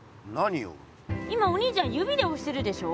今お兄ちゃん指でおしてるでしょ。